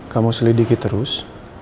kamu selidiki terus